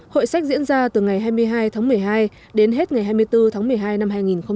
hội sách diễn ra từ ngày hai mươi hai tháng một mươi hai đến hết ngày hai mươi bốn tháng một mươi hai năm hai nghìn hai mươi